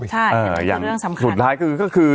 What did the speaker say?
ใช่อย่างสุดท้ายก็คือ